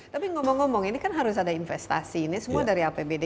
tapi ngomong ngomong ini kan harus ada investasi ini semua dari apbd